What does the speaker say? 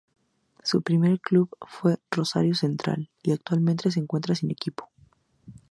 Su primer club fue Rosario Central y actualmente se encuentra sin equipo.